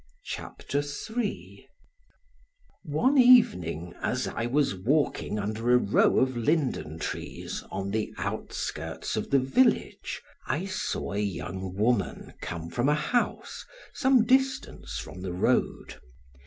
CHAPTER III ONE evening, as I was walking under a row of linden trees on the outskirts of the village, I saw a young woman come from a house some distance from the road.